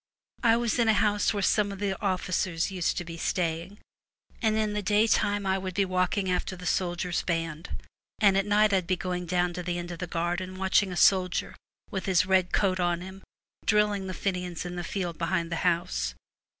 I was in a house where some of the officers used to be staying, and in the daytime I would be walking after the soldiers' band, and at night I'd be going 184 down to the end of the garden watching War. a soldier, with his red coat on him, drill ing the Fenians in the field behind the house.